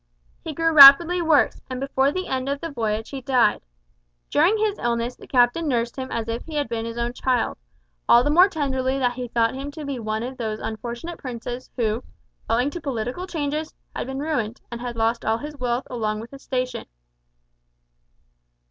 He grew rapidly worse, and before the end of the voyage he died. During his illness the captain nursed him as if he had been his own child; all the more tenderly that he thought him to be one of those unfortunate princes who, owing to political changes, had been ruined, and had lost all his wealth along with his station.